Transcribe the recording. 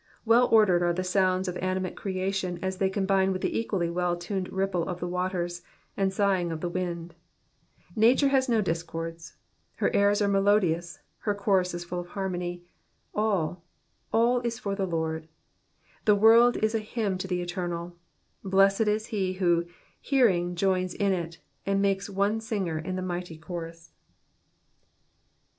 Well ordered are the sounds of animate creation as they combine with the equally well tuned ripple of the waters, and sighings of the wind. I^ature has no discords. Her aurs are melodious, her chorus is full of harmony. All, all is for the Lord ; the world is a hymn to the Eternal, blessed is he who, hearing, joins in it, and makes one singer in the mighty chorus.